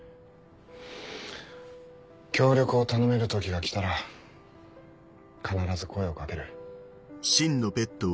協力を頼める時が来たら必ず声を掛ける。